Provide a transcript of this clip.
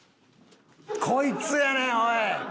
こいつやねんおい！